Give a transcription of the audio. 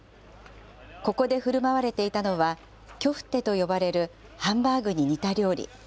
ここでふるまわれていたのは、キョフテと呼ばれるハンバーグに似た料理。